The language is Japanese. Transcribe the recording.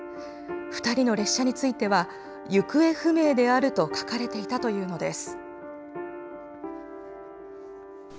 ２人の列車については行方不明であると書かれていたというのです。